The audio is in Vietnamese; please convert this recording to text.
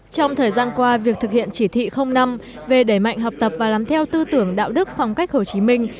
trong thời gian qua việc thực hiện chỉ thị năm về đẩy mạnh học tập và làm theo tư tưởng đạo đức phong cách hồ chí minh